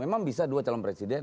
memang bisa dua calon presiden